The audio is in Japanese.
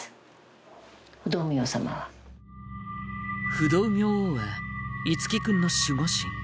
不動明王は樹君の守護神。